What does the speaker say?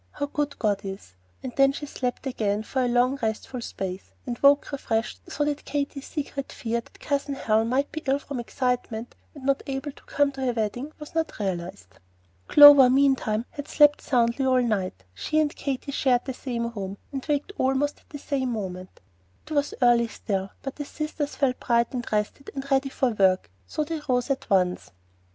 "How good God is!" Then she slept again for a long, restful space, and woke refreshed, so that Katy's secret fear that Cousin Helen might be ill from excitement, and not able to come to her wedding, was not realized. Clover, meantime, had slept soundly all night. She and Katy shared the same room, and waked almost at the same moment. It was early still; but the sisters felt bright and rested and ready for work, so they rose at once.